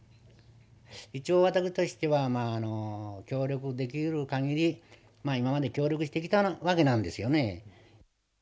一応私としてはまああの協力できうる限り今まで協力してきたわけなんですよね。